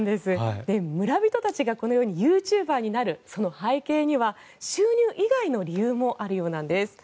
村人たちがこのようにユーチューバーになるその背景には収入以外の理由もあるようなんです。